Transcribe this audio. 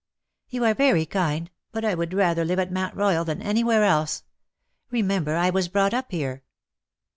''^" Tou are very kind^ but I would rather live at Mount Royal than anywhere else. Remember I was brought up here."